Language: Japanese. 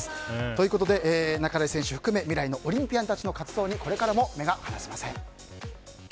ということで半井選手含め未来のオリンピアンたちの活動にこれからも目が離せません。